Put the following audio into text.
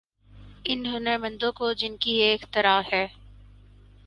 ان ہنرمندوں کو جن کی یہ اختراع ہے۔